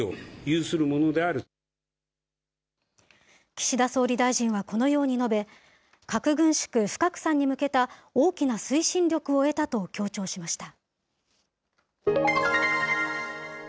岸田総理大臣はこのように述べ、核軍縮・不拡散に向けた大きな推進力を得たと強調しました。